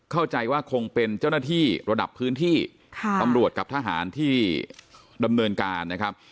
เข้าใจว่าคงเป็นเจ้าหน้าที่ระดับพื้นที่ตำรวจกับทหารที่ดำเนินการนะครับ